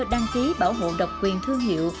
đăng ký bảo hộ độc quyền thương hiệu